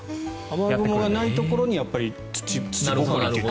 雨雲がないところに土ぼこりというか。